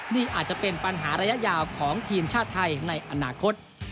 นี่อาจจะเป็นปัญหาระยะยาวของทีมชาติไทยในอนาคต